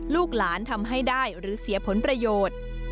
ลูกหลานทำให้ได้หรือเสียผลประโยชน์